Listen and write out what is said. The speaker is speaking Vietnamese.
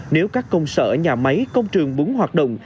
nếu các công sở nhà máy công trường búng hoạt động